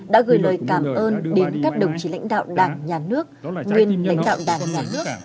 đã gửi lời cảm ơn đến các đồng chí lãnh đạo đảng nhà nước nguyên lãnh đạo đảng nhà nước